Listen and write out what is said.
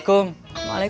terima kasih ip